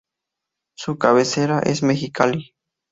Su cabecera es Mexicali.